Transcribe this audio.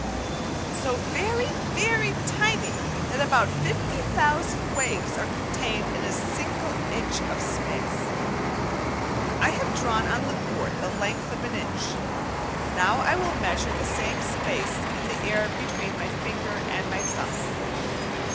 so very, very tiny that about fifty thousand waves are contained in a single inch of space! I have drawn on the board the length of an inch, and now I will measure the same space in the air between my finger and thumb.